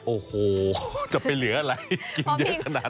โอ้โหจะไปเหลืออะไรกินเยอะขนาดนั้น